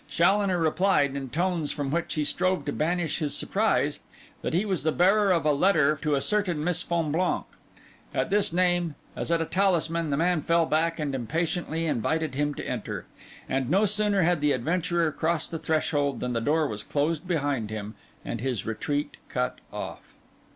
Challoner replied, in tones from which he strove to banish his surprise, that he was the bearer of a letter to a certain Miss Fonblanque. At this name, as at a talisman, the man fell back and impatiently invited him to enter; and no sooner had the adventurer crossed the threshold, than the door was closed behind him and his retreat cut off.